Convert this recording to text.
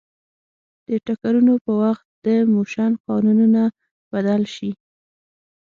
د ټکرونو په وخت د موشن قانونونه بدل شي.